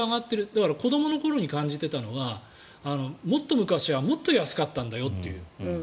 だから子どもの頃に感じていたのはもっと昔はもっと安かったんだよという。